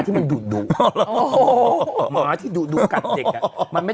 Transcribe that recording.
ถ้าฉันหุบปากก็เหมือนกับให้หนุ่มหยุดอ่านค้า